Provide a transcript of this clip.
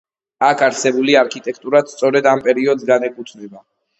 აქ არსებული არქიტექტურაც სწორედ ამ პერიოდს განეკუთვნება.